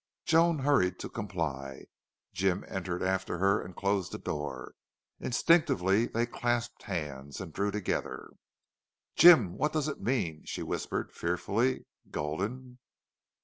Joan hurried to comply. Jim entered after her and closed the door. Instinctively they clasped hands, drew close together. "Jim, what does it mean?" she whispered, fearfully. "Gulden!"